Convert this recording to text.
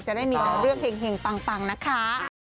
จะได้มีแต่เรื่องเห็งปังนะคะ